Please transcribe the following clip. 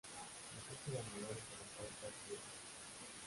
Los ocho ganadores avanzaron a los cuartos de final.